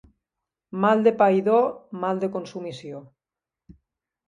Mal de païdor, mal de consumició.